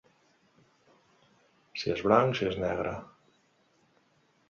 Si és blanc, si és negre.